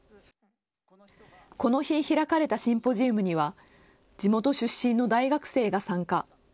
この日、開かれたシンポジウムには地元出身の大学生が参加。